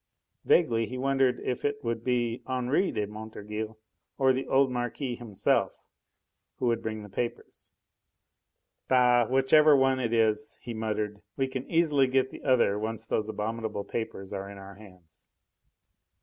Vaguely he wondered if it would be Henri de Montorgueil or the old Marquis himself who would bring the papers. "Bah! whichever one it is," he muttered, "we can easily get the other, once those abominable papers are in our hands.